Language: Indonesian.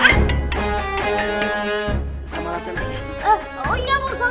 oh iya mau sama laten action